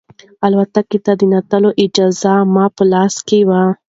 الوتکې ته د ننوتلو اجازه مې په لاس کې وه.